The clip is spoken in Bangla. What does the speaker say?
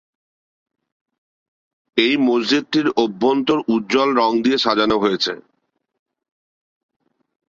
এই মসজিদটির অভ্যন্তর উজ্জ্বল রং দিয়ে সাজানো হয়েছে।